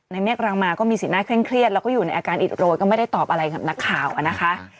ในเมียกรามาก็มีสินค่อนข้างเครียดแล้วก็อยู่ในอาการอิสโรกก็ไม่ได้ตอบอะไรกับนักข่าวนะคะ